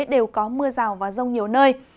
đều có mưa rào và rông nhiều nơi